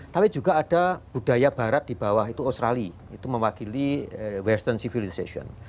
tapi juga ada budaya barat dibawah australia itu mewakili western civilization